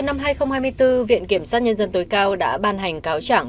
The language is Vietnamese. năm chín tháng bốn năm hai nghìn hai mươi bốn viện kiểm soát nhân dân tối cao đã ban hành cáo trảng